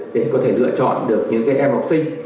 để có thể lựa chọn được những em học sinh